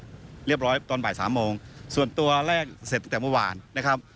เรียบร้อยตอนบ่ายสามโมงส่วนตัวแรกเสร็จตั้งแต่เมื่อวานนะครับ